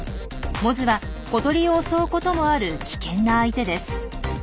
モズは小鳥を襲うこともある危険な相手です。